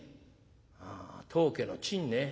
「ああ当家のちんね。